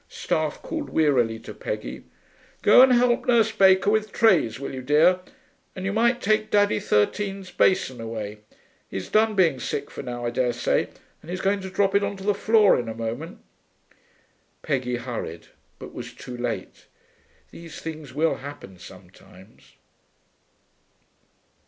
Staff called wearily to Peggy, 'Go and help Nurse Baker with trays, will you, dear. And you might take Daddy Thirteen's basin away. He's done being sick for now, I dare say, and he's going to drop it on to the floor in a moment.' Peggy hurried, but was too late. These things will happen sometimes....